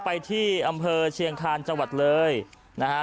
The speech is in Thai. ไปที่อำเภอเชียงคาญจังหวัดเลยนะฮะ